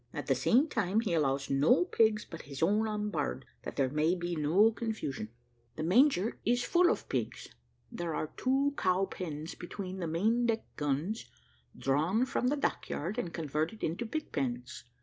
At the same time he allows no pigs but his own on board, that there may be no confusion. The manger is full of pigs; there are two cow pens between the main deck guns, drawn from the dock yard, and converted into pig pens.